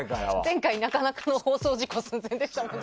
前回、なかなかの放送事故寸前でしたもんね。